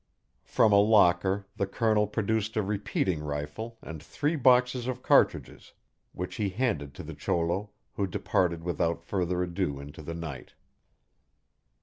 From a locker the Colonel produced a repeating rifle and three boxes of cartridges, which he handed to the cholo, who departed without further ado into the night.